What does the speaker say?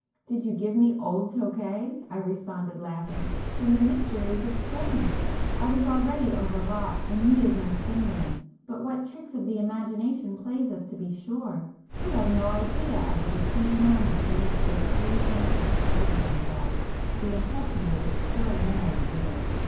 "Did you give me old Tokay?" I responded laughing—"Then the mystery is explained! I was already overwrought, and needed no stimulant. But what tricks the imagination plays us to be sure! You have no idea of the distinct manner in which those three phantoms asserted themselves! The impression was extraordinarily vivid."